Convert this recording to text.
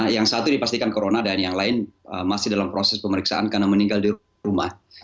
yang satu dipastikan corona dan yang lain masih dalam proses pemeriksaan karena meninggal di rumah